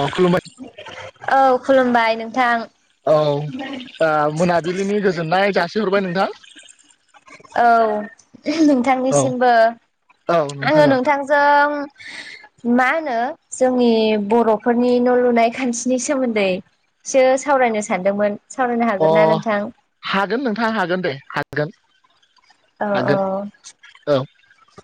आ खुलुमबाय। औ खुलुमबाय नोंथां। औ ओ मोनाबिलिनि गोजोननाय जासिहरबाय नोंथां। औ औ नोंथांनिसिमबो। औ आङो नोंथां औ नोंथांजों मा होनो जोंनि बर'फोरनि न' लुनाय खान्थिनि सोमोन्दै सो सावरायनो सानदोंमोन सावरायनो अ हागोन ना नोंथां? हागोन नोंथां हागोन दे हागोन। औ औ। हागोन औ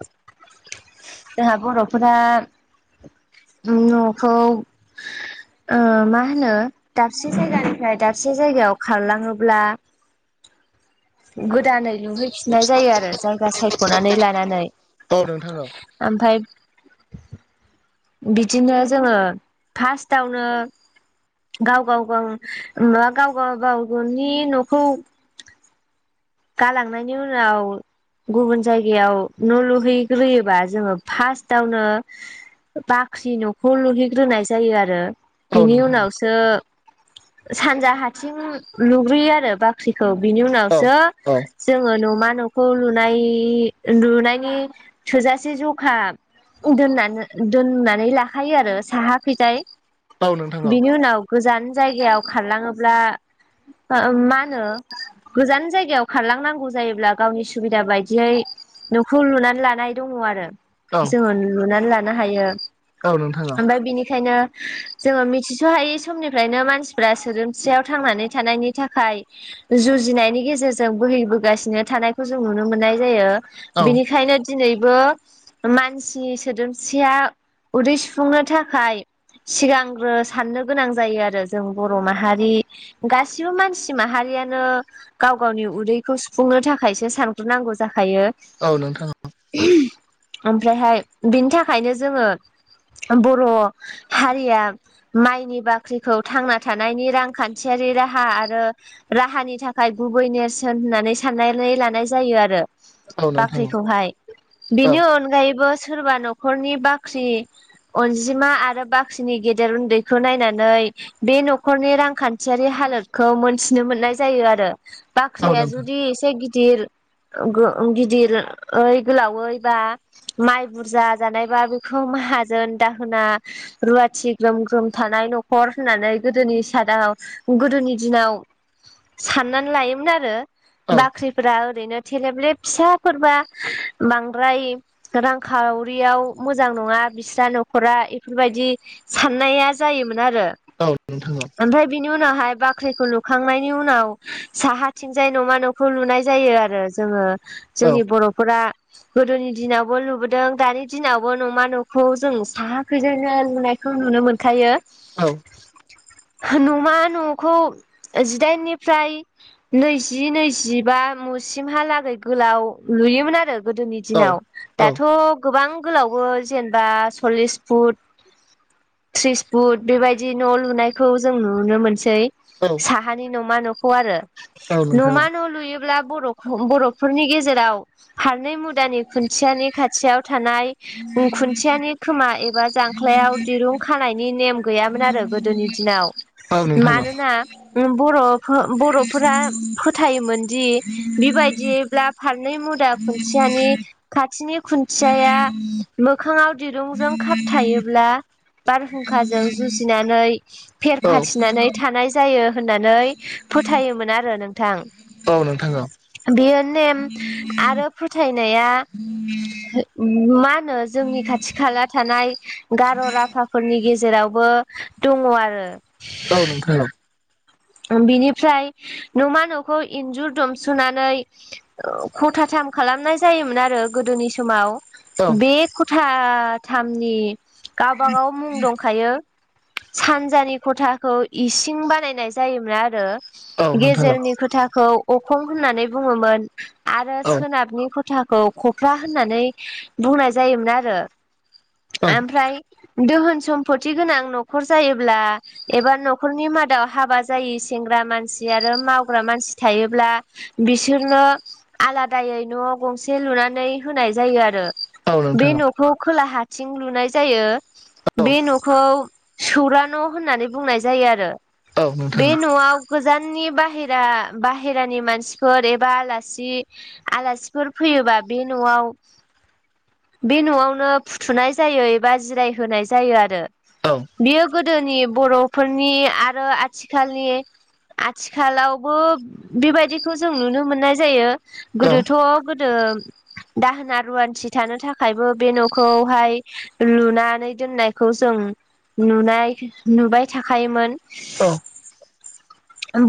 जोंहा बर'फोरा न'खौ ओ मा होनो दाबसे जायगानिफ्राय दाबसे जायगायाव खारलाङोब्ला गोदानै लुहैफिननाय जायो आरो जायगा सायख'नानै लानानै। औ नोंथां औ ओमफाय बिदिनो जोङो फास्टआवनो गाव गाव गाव मा गावगा बागावनि न'खौ गालांनायनि उनाव गुबुन जायगायाव न' लुहैग्रोयोबा जोङो फास्टआवनो बाख्रि न'खौ लुहैग्रोनाय जायो आरो। औ बिनि नोंथां उनावसो सानजाहाथिं लुग्रोयो आरो बाख ख्रिखौ बिनि औ उनावसो औ। जोङो न'मा न'खौ लुनाय लुनायनि थोजासे जखा दोननानो दोननानै लाखायो आरो साहाखैजाय औ नोंथां औ बिनि उनाव गोजान जायगायाव खारलाङोब्ला मा मा होनो गोजान जायगायाव खारलांनांगौ जायोब्ला गावनि सुबिदा बायदियै न'खौ लुनानै लानाय दङ आरो। औ जोङो लुनानै लानो हायो औ नोंथां ओमफ्राय बिनिखायनो जोङो मिथिस'हायै समनिफ्रायनो मानसिफ्रा सोदोमस्रियाव थांनानै थानायनि थाखाय जुजिनायनि गेजेर जों बोहैबोगासिनो थानायखौ जों नुनो मोननाय जायो औ बेनिखायनो दिनैबो मानसि सोदोमस्रिया उदै सुफुंनो थाखाय सिगांग्रो साननो गोनां जायो आरो जों बर' माहारि गासिबो मानसि माहारियानो गाव गावनि उदैखौ सुफुंनो थाखायसो सानग्रोनांगौ जाखायो। औ नोंथाङा औ। ओमफ्रायहाय बिनि थाखायनो जोङो बर' हारिया माइनि बाख्रिखौ थांना थानायनि रांखान्थियारि राहा आरो राहानि थाखाय गुबै नेरसोन होननानै साननानै लानाय जायो आरो। औ नोंथां बाख्रिखौहाय औ बिनि अनगायैबो सोरबा न'खरनि बाख्रि अनजिमा आरो बाख्रिनि गेदेर उन्दैखौ नायनानै बे न'खरनि रांखान्थियारि हालोदखौ मोनथिनो मोननाय जायो आरो। औ बाख्रिया नोंथां जुदि एसे गिदिर गो ओ गिदिरयै गोलावै बा माइ बुरजा जानायबा बेखौ माहाजोन दाहोना रुवाथि ग्रोम ग्रोम थानाय न'खर होननानै गोदोनि सादाव गोदोनि दिनाव साननानै लायोमोन आरो औ बाख्रिफोरा ओरैनो थेलेबलेब फिसाफोरबा बांद्राय रांखावरियाव मोजां नङा बिस्रा न'खरा इफोरबायदि साननाया जायोमोन आरो। औ नोंथां औ। ओमफ्राय बिनि उनावहाय बाख्रिखौ लुखांनायनि उनाव साहाथिंजाय न'मा न'खौ लुनाय जायो आरो जोङो औ जोंनि बर'फोरा। गोदोनि दिनावबो लुबोदों, दानि दिनावबो न'मा न'खौ जों साहाखैजायनो लुनाय खौ नुनो मोनखायो औ नाम न'खौ जिदाइननिफ्राय नैजि नैजिबा मुसिमहालागै गोलाव लुयोमोन आरो गोदोनि दिनाव औ दाथ' गोबां गोलावबो जेनेबा सल्लिस फुट थ्रिस फुट बेबायदि न' लुनायखौ जों नुनो मोनसै साहानि न'मा न'खौ आरो औ नोंथां न'मा न' लुयोब्ला बर' बर'फोरनि गेजेराव फारनै मुदानि खुन्थियानि खाथियाव थानाय खुन्थियानि खोमा एबा जां ख्लायाव दिरुं खानायनि नेम गैयामोन आरो गोदोनि दिनाव। औ नोंथां औ नोंथां औ मानोना बर' बर'फोरा फोथायोमोन दि बिबायदिब्ला फारनै मुदा खुन्थियानि खाथिनि खुन्थियाया मोखाङाव दिरुंजों खाबथायायोब्ला बारहुंखाजों जुजिनानै फेर फाथिनानै थानाय जायो होननानै फोथायोमोन आरो नोंथां। औ नोंथा औ बेयो नेम आरो फोथायनाया मा होनो जोंनि खाथि खाला थानाय गार' राफोरनि गेजेरावबो दङ आरो। [unintelligible] बिनिफ्राय न'मा न'खौ इन्जुर दुमस'नानै ख'थाथाम खालामनाय जायोमोन आरो गोदोनि समाव। बे खथाथामनि गावबागाव मुं दंखायो सानजानि खथाखौ इसिं बानायनाय जायोमोन आरो। गेजेरनि ख'थाखौ अखं होननानै बुङोमोन। आरो औ सोनाबनि खथाखौ खफ्रा होननानै बुंनाय जायोमोन आरो। आमफ्राय दोहोन सम्फथि गोनां न'खर जायोब्ला एबा न'खरनि मादाव हाबा जा जायो सेंग्रा मानसि आरो मावग्रा मानसि थायोब्ला बिसोरनो आलादायै न' गंसे लुनानै होनाय जायो आरो। औ नोंथां बे न'खौ खोला हाथिं लुनाय जायो औ बे न' खौ सौरा न' होननानै बुंनाय जायो आरो। औ बे नोंथां न'आव गोजाननि बाहेरा बाहेरानि मानसिफोर एबा आलासि आलासिफोर फैयोबा बे न'आव बे न'आवनो फुथुनाय जायो एबा जिरायहोनाय जायो आरो। औ बियो गोदोनि बर'फोरनि आरो आथिखालनि आथिखालावबो बेबायदिखौ जों नुनो मोननाय जायो। औ गोदोथ' गोदो दाहोना रुवान्थि थानो थाखायबो बे न'खौहाय लुनानै दोननायखौ जों नुनाय नुबाय थाखोमोन औ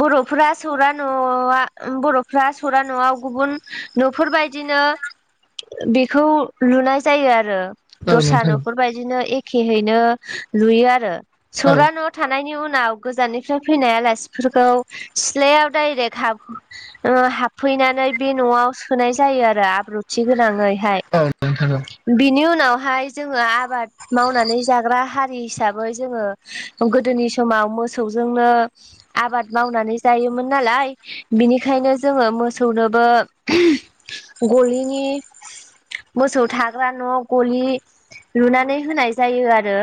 बर'फोरा सौरा न'आ बर'फ्रा सौरा न'आव गुबुन न'फोरबायदिनो बेखौ लुनाय जायो आरो। औ दस्रा नोंथां न'फोरबायदिनो एखेहैनो लुयो आरो। औ सौरा न'आव थानायनि उनाव गोजाननिफ्राय फैनायालासि फोरखौ सिथ्लायाव दडाइरेक्ट हाब ओ हाबफैनानै बे न'आव सोनाय जायो आरो आब्रुथि गोनाङैहाय। औ नोंथां बिनि उनावहाय जोङो आबाद मावनानै जाग्रा हारि हिसाबै जोङो गोदोनि समाव मोसौजोंनो आबाद मावनानै जायोमोन नालाय बिनिखायनो जोङो मोसौनोबो गलिनि मोसौ थाग्रा न' गलि लुनानै होनाय जायो आरो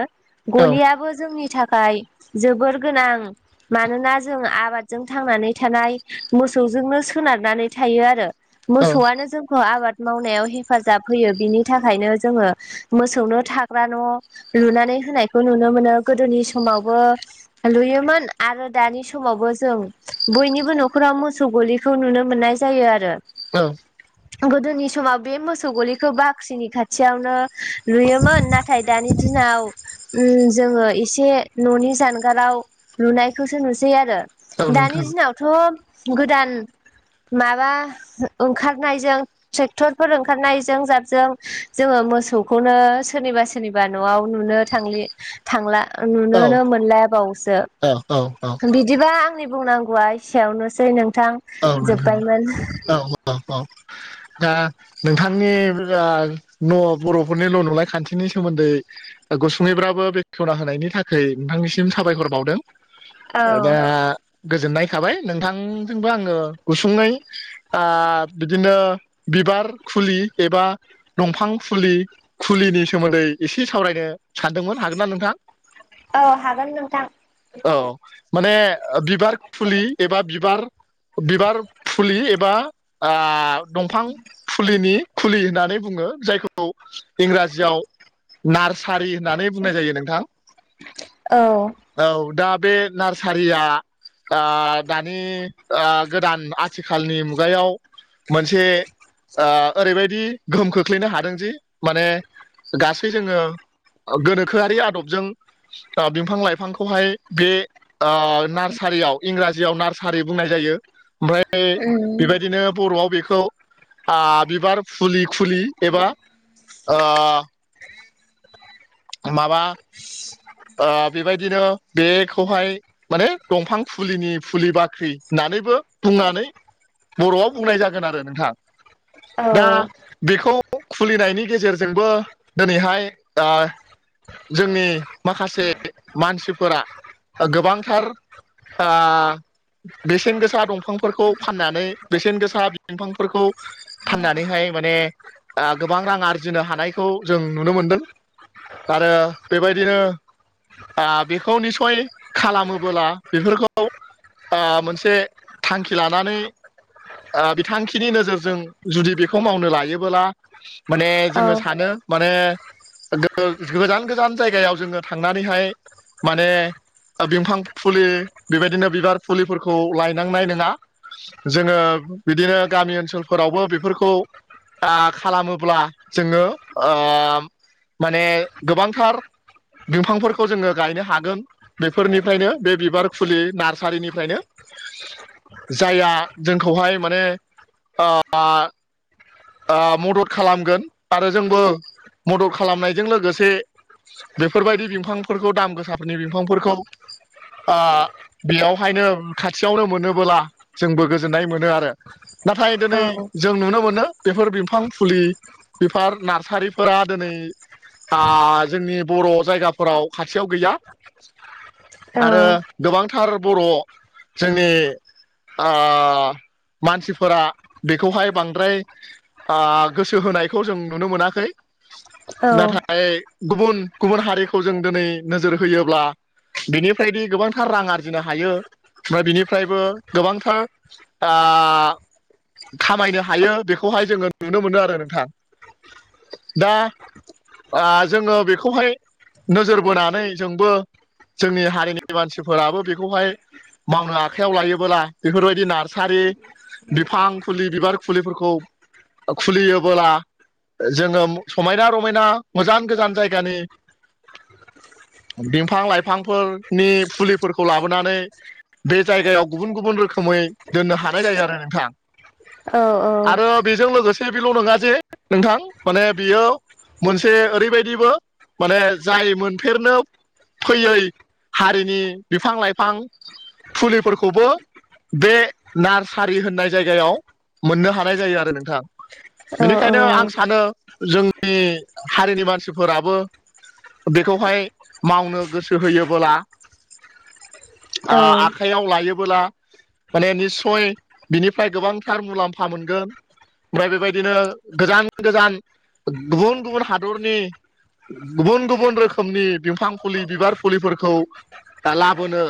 औ गलियाबो जोंनि थाखाय जोबोर गोनां मानोना ज जों आबादजों थांनानै थानाय मोसौजोंनो सोनारनानै थायो आरो औ नोंथां औ मोसौआनो जोंखौ आबाद मावनायाव हेफाजाब होयो बिनि थाखायनो जोङो मोसौनो थाग्रा न' लुनानै होनायखौ नुनो मोनो गोदोनि समावबो लुयोमोन आरो दानि स समावबो जों बयनिबो न'खराव मोसौ गलिखौ नुनो मोननाय जायो आरो औ गोदोनि समाव बे मोसौ गलिखौ बाख्रिनि खाथियावनो लुयोमोन नाथ थाय दानि दिनाव उम जोङो एसे न'नि जानगाराव लुनायखौसो नुस सै आरो औ दानि नोंथां औ दिनावथ' गोदान माबा जो ओंखारनायजों ट्रेक्टरफोर ओंखारनायजों जाबजों जोङो मोसौखौनो सोरनिबा सोरनिबा न'आव नुनो थांलि थांला नुनोनो मोनलायाबावसो औ औ औ बिदिबा आंनि बुंनांगौआ एसेयावनोसै नोंथां जोब्बायमोन। औ औ दा नोंथांनि [unintelligible] न' बर'फोरनिल' नुलाय खान्थिनि सोमोन्दै ओ गुसुंङैब्राबो बेखेवना होनायनि थाखाय नोंथांनिसिम साबायहर बावदों। औ ओ दा गोजोननाय थाबाय नोंथांजोंबो आङो गुसुङै ओ बिदिनो बिबार खुलि एबा दंफां फुलि खुलिनि सोमोन्दै एसे सावरायनो सानदोंमोन हागोन ना नोंथां? औ हागोन नोंथां। औ माने ओ बिबार फुलि एबा बिबार खो बिबार फुलि एबा आ दंफां फुलिनि खुलि होननानै बुङो जायखौ इंराजियाव नार्सारि होननानै बुंनाय जायो नोंथां। औ औ दा बे नार्सारिया आ दानि ओ गोदान आथिखालनि मुगायाव मोनसे ओ ओरैबायदि गोहोम खोख्लैनो हादों जि माने गासै जोङो ओ गोनोखोआरि आदबजों ओ बिफां लाइफांखौहाय बे ओ नार्सारियाव इंराजियाव नार्सारि बुंनाय जायो ओमफ्राय ऐ औ बेबायदिनो बर'आव बेखौ आ बिबार फुलि खुलि एबा ओ माबास ओ बेबायदिनो बेखौहाय माने दंफां फुलिनि फुलि बाख्रि होननानैबो बुंनानै बर'आव बुंनाय जागोन आरो नोंथां दा बेखौ खुलिनायनि गेजेरजोंबो दिनैहाय ओ जोंनि माखासे मानसिफोरा ओ गोबांथार ओ बेसेन गोसा दंफांफोरखौ फाननानै बेसेन गोसा बिफांफोरखौ फाननानैहाय माने आ गोबां रां आरजिनो हानायखौ जों नुनो मोनदों। आरो बेबायदिनो आ बेखौ निसय खालामोबोला बेफोरखौ ओ मोनसे थांखि लानानै ओ बि थांखिनि नोजोरजों जुदि बेखौ मावनो लायोबोला माने जोङो सानो माने गोजान गोजान जायगायाव जोङो थांनानैहाय माने बिफां फुलि बेबायदिनो बिबार फुलिफोरखौ लायनांनाय नोङा जोङो बिदिनो गामि ओनसोलफोरावबो बेफोरखौ ओ खालामोब्ला जोङो ओ माने गोबांथार बिफांफोरखौ जोङो गायनो हागोन। बेफोरनिफ्रायनो बे बिबार खुलि नार्सारिनिफ्रायनो जाया जोंखौहाय माने ओ ओ मदद खालामगोन आरो जोंबो मदद खालामनायजों लोगोसे बेफोरबायदि बिफांफोरखौ दाम गोसाफोरनि बिफांफोरखौ ओ बेयावहायनो खाथियावनो मोनोबोला जोंबो गोजोननाय मोनो आरो। नाथाय दोनै जों नुनो मोनो बेफोर बिफां फुलि बिफार नार्सारिफोरा दोनै ओ जोंनि बर' जायगाफोराव खाथियाव गैया। आरो गोबांथार बर' जोंनि ओ मानसिफोरा बेखौहाय बांद्राय ओ गोसो होनायखौ जों नुनो मोनाखै। नाथाय गुबुन गुबुन हारिखौ जों दोनै नोजोर होयोब्ला बिनिफ्रायदि गोबांथार रां आरजिनो हायो ओमफ्राय बिनिफ्रायबो गोबांथार ओ खामायनो हायो बेखौहाय जोङो नुनो मोनो आरो नोंथां। दा ओ जोङो बेखौहाय नोजोर बोनानै जोंबो जोंनि हारिनि मानसिफोराबो बेखौहाय मावनो आखायाव लायोबोला बेफोरबायदि नार्सारि बिफां फुलि, बिबार फुलिफोरखौ खुलियोबोला जोङो समायना-रमायना मोजां गोजान जायगानि बिफां-लाइफांफोरनि फुलिफोरखौ लाबोनानै बे जायगायाव गुबुन गुबुन रोखोमै दोननो हानाय जायो आरो नोंथां। औ औ आरो बेजों लोगोसे बेल' नङा जे नोंथां माने बियो मोनसे ओरैबायदिबो माने जाय मोनफेरनो फैयै हारिनि बिफां-लाइफां फुलिफोरखौबो बे नार्सारि होननाय जायगायाव मोननो हानाय जायो आरो नों थां। बेनिखायनो आं सानो जोंनि हारिनि मानसिफोराबो बेखौहाय मावनो गोसो होयोबोला ओ आखायाव लायोबोला माने निस्सय बिनिफ्राय गोबांथार मुलाम्फा मोनगोन ओमफ्राय बेबायदिनो गोजान गोजान गुबुन गुबुन हादरनि गुबुन गुबुन रोखोमनि बिफां फुलि, बिबार फुलिफोरखौ दा लाबोनो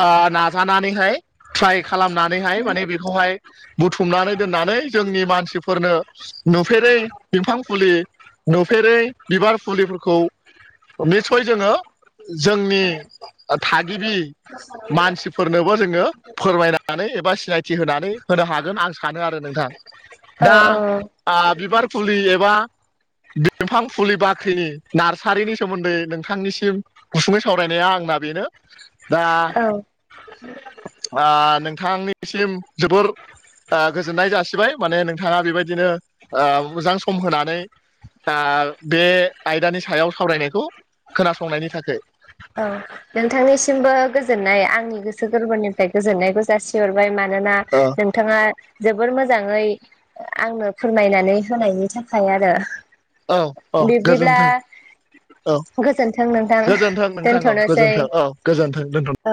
ओ नाजानानैहाय ट्राइ खालामनानैहाय माने बेखौहाय बुथुम नानै दोननानै जोंनि मानसिफोरनो नुफेरै बिफां फुलि, नुफेरै बिबार फुलिफोरखौ निस्सय जोङो जोंनि ओ थागिबि मानसिफोरनोबो जोङो फोरमायनानै एबा सिनायथि होनानै होनो हागोन आं सानो आरो नोंथां। औ औ ओ बिबार फुलि एबा बिफां फुलि बाख्रिनि नार्सारिनि सोमोन्दै नोंथांनिसिम गुसुङै सावरायनाया आंना बेनो दा औ। ओ नोंथांनिसिम जोबोर ओ गोजोननाय जासिबाय माने नोंथाङा बेबायदिनो मोजां सम होनानै बे आयदानि सायाव सावरायनायखौ खोनासंनायनि थाखाय औ नोंथांनिसिमबो गोजोननाय आंनि गोसो गोरबोनिफ्राय गोजोननायखौ जासिहरबाय मानोना औ नों थाङा जोबोर मोजाङै आंनो फोरमायनानै होनायनि थाखाय आरो। औ औ बिब्दिब्ला गोजोन्थों औ गोजोनथों नोंथां गोजोन्थों औ औ दोनथ'नोसै गोजोन्थों दोनथ' औ